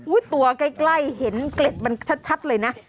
ตัวใกล้เห็นเกล็ดมันชัดเลยนะ